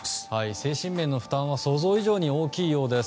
精神面の負担は想像以上に大きいようです。